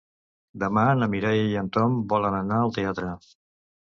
Demà na Mireia i en Tom volen anar al teatre.